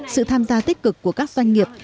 sự tham gia tích cực của các doanh nghiệp